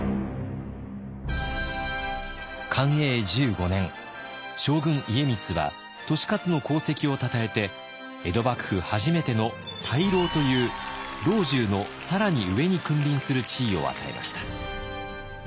寛永１５年将軍家光は利勝の功績をたたえて江戸幕府初めての大老という老中の更に上に君臨する地位を与えました。